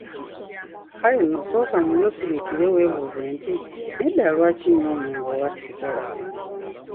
Kale nno sooka muli osiriikirire weebuuze nti, "Naye ddala lwaki nywa omwenge oba sigala?